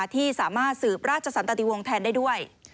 ที่สามารถสืบราชสันตติวงศ์แทนได้ด้วย